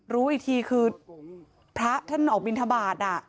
รู้อีกทีคือพระท่านออกบินทบาท